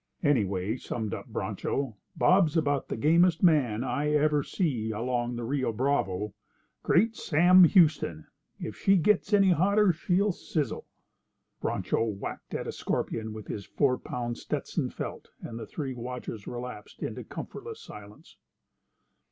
"Anyway," summed up Broncho, "Bob's about the gamest man I ever see along the Rio Bravo. Great Sam Houston! If she gets any hotter she'll sizzle!" Broncho whacked at a scorpion with his four pound Stetson felt, and the three watchers relapsed into comfortless silence.